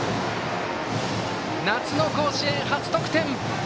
夏の甲子園、初得点！